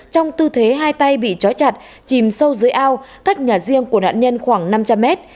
trong tư thế hai tay bị chói chặt chìm sâu dưới ao cách nhà riêng của nạn nhân khoảng năm trăm linh mét